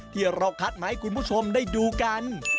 ที่เราคัดมาให้คุณผู้ชมได้ดูกัน